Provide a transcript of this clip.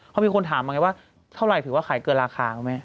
ที่มีคนถามว่าเท่าไรถือว่าขายเกินราคาไหม